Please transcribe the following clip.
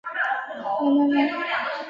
没关系，没事就好